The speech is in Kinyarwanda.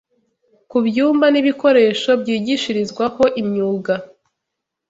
ku byumba n’ibikoresho byigishirizwaho imyuga